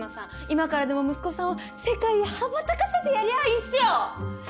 今からでも息子さんを世界へ羽ばたかせてやりゃあいいんすよ！